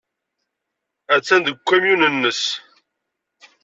Attan deg ukamyun-nnes.